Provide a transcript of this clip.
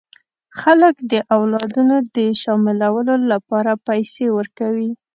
خلک د اولادونو د شاملولو لپاره پیسې ورکوي.